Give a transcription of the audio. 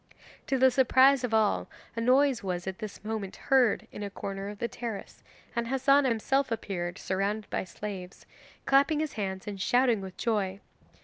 To the surprise of all a noise was at this moment heard in a corner of the terrace, and Hassan himself appeared surrounded by slaves, clapping his hands and shouting with joy.